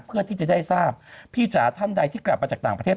เพื่อที่จะได้ทราบพี่จ๋าท่านใดที่กลับมาจากต่างประเทศ